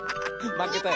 まけたよ。